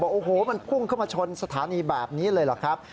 โอ้โหมันพุ่งเข้ามาชนสถานีแบบนี้เลยเหรอครับ